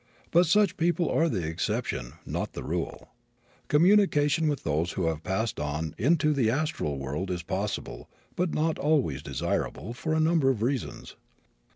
But such people are the exception, not the rule. Communication with those who have passed on into the astral world is possible, but not always desirable, for a number of reasons.